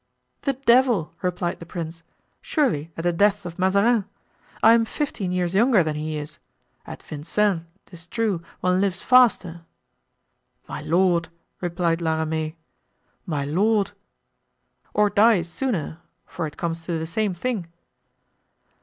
"The devil!" replied the prince; "surely, at the death of Mazarin. I am fifteen years younger than he is. At Vincennes, 'tis true, one lives faster——" "My lord," replied La Ramee, "my lord——" "Or dies sooner, for it comes to the same thing."